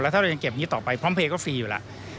และถ้าเรายังเก็บอย่างนี้ต่อไปนาศาสนแพรสก็ฟรีอยู่แล้ว